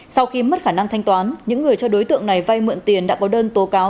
sau khi mất khả năng thanh toán những người cho đối tượng này vay mượn tiền đã có đơn tố cáo